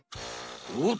おっ！